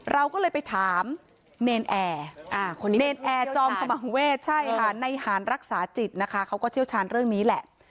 เราก็เลยไปถามเนรนแอร์คนนี้เนรนแอร์จอมขมังเวศใช่ค่ะในหารรักษาจิตนะคะเขาก็เชี่ยวชาญเรื่องนี้แหละ